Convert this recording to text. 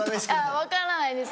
分からないです。